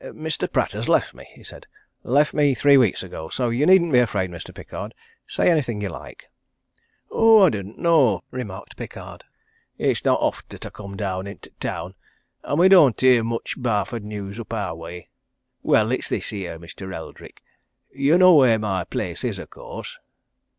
"Mr. Pratt has left me," he said. "Left me three weeks ago. So you needn't be afraid, Mr. Pickard say anything you like." "Oh, I didn't know," remarked Pickard. "It's not oft that I come down in t' town, and we don't hear much Barford news up our way. Well, it's this here, Mr. Eldrick you know where my place is, of course?"